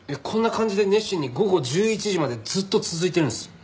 こんな感じで熱心に午後１１時までずっと続いてるんです。